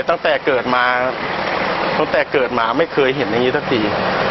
ตั้งแต่เกิดมาตั้งแต่เกิดมาไม่เคยเห็นอย่างนี้สักที